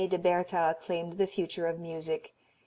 de Bertha claimed the future of music.